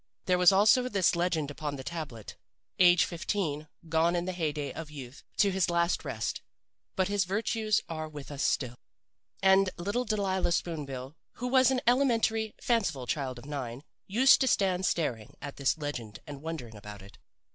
There was also this legend upon the tablet: 'Age 15. Gone in the hey day of youth to his last rest. But his virtues are with us still.' "And little Delilah Spoon bill, who was an elementary, fanciful child of nine, used to stand staring at this legend and wondering about it.